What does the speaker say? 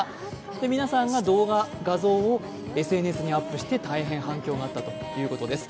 皆さんが動画、画像をＳＮＳにアップして大変反響があったということです。